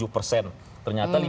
tujuh persen ternyata